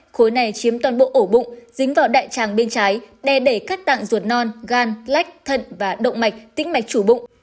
khối này chiếm toàn bộ ổ bụng dính vào đại tràng bên trái đè đẩy các tạng ruột non gan lách thận và động mạch tĩnh mạch chủ bụng